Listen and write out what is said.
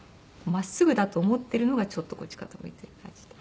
真っすぐだと思っているのがちょっとこっち傾いている感じで。